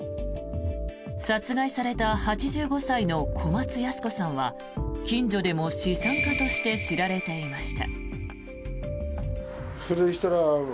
殺害された８５歳の小松ヤス子さんは近所でも資産家として知られていました。